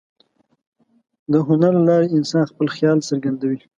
د هنر له لارې انسان خپل خیال څرګندوي.